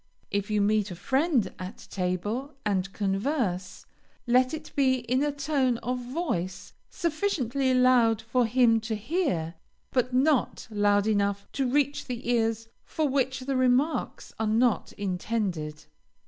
If you meet a friend at table, and converse, let it be in a tone of voice sufficiently loud for him to hear, but not loud enough to reach ears for which the remarks are not intended.